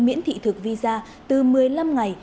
miễn thị thực visa từ một mươi năm ngày